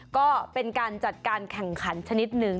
ก็เป็นการจัดการแข่งขันชนิดหนึ่ง